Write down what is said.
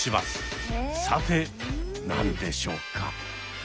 さて何でしょうか？